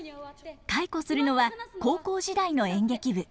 回顧するのは高校時代の演劇部。